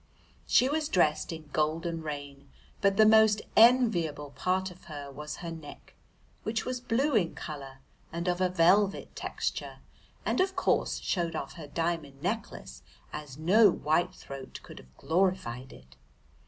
She was dressed in golden rain, but the most enviable part of her was her neck, which was blue in colour and of a velvet texture, and of course showed off her diamond necklace as no white throat could have glorified it.